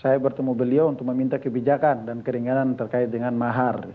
saya bertemu beliau untuk meminta kebijakan dan keringanan terkait dengan mahar